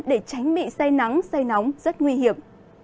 để tránh bị say nắng say nóng rất nguy hiểm